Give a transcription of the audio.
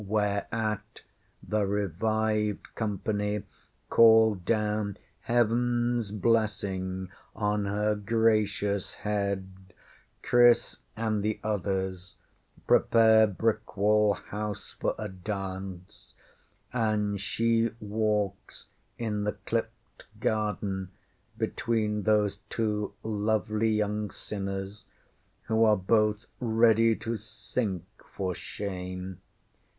Whereat the revived company call down HeavenŌĆÖs blessing on her gracious head; Chris and the others prepare Brickwall House for a dance; and she walks in the clipped garden between those two lovely young sinners who are both ready to sink for shame.